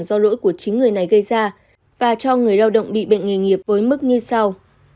do lỗi của chính người này gây ra và cho người lao động bị bệnh nghề nghiệp với mức như sau